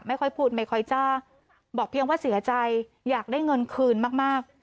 ไม่ค่อยพูดไม่ค่อยจ้าบอกเพียงว่าเสียใจอยากได้เงินคืนมาก